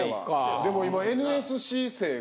でも今ＮＳＣ生が。